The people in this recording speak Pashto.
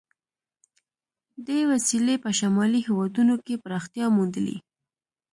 دې وسیلې په شمالي هېوادونو کې پراختیا موندلې.